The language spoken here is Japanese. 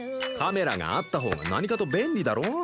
カメラがあった方が何かと便利だろ？